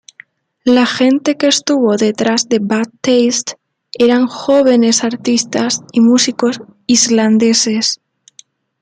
La gente que estuvo detrás de Bad Taste eran jóvenes artistas y músicos islandeses.